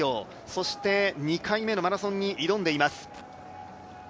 そして、２回目のマラソンに挑んでいます。